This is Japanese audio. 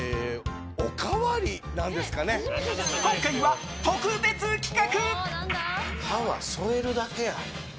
今回は特別企画。